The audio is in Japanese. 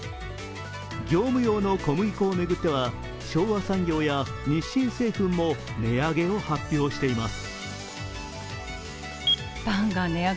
業務用の小麦粉を巡っては昭和産業や日清製粉も値上げを発表しています。